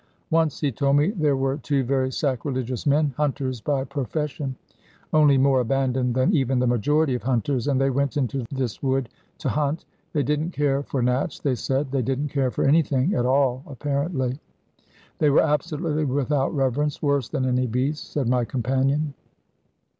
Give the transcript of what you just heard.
Once, he told me, there were two very sacrilegious men, hunters by profession, only more abandoned than even the majority of hunters, and they went into this wood to hunt 'They didn't care for Nats,' they said. They didn't care for anything at all apparently. 'They were absolutely without reverence, worse than any beast,' said my companion.